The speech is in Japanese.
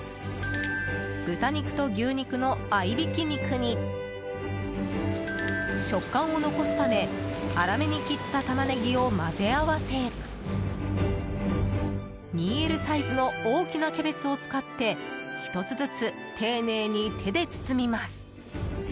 豚肉と牛肉の合いびき肉に食感を残すため粗めに切ったタマネギを混ぜ合わせ２Ｌサイズの大きなキャベツを使って１つずつ丁寧に手で包みます。